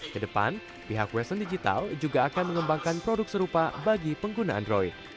kedepan pihak western digital juga akan mengembangkan produk serupa bagi pengguna android